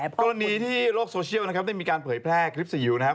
กรณีที่โลกโซเชียลนะครับได้มีการเผยแพร่คลิปซีอิ๋วนะครับ